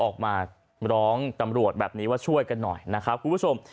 ออกมาร้องตำรวจแบบนี้ว่าช่วยกันหน่อยนะครับคุณผู้ชม